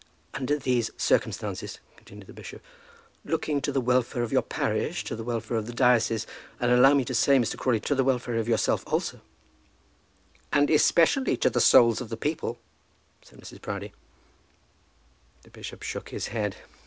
"Under these circumstances," continued the bishop, "looking to the welfare of your parish, to the welfare of the diocese, and allow me to say, Mr. Crawley, to the welfare of yourself also " "And especially to the souls of the people," said Mrs. Proudie. The bishop shook his head.